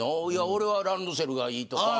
俺はランドセルがいいとか。